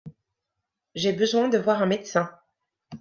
J'ai besoin de voir un médecin.